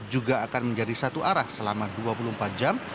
juga akan menjadi satu arah selama dua puluh empat jam